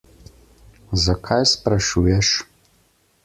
Zakaj sprašuješ?